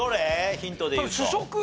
ヒントでいうと。